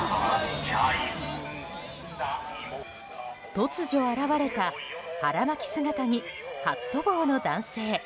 突如現れた腹巻き姿にハット帽の男性。